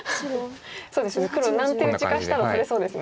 そうですね黒何手打ちかしたら取れそうですね。